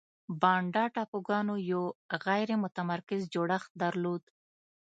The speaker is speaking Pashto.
بانډا ټاپوګانو یو غیر متمرکز جوړښت درلود.